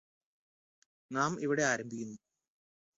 നാം ഇവിടെ ആരംഭിക്കുന്നു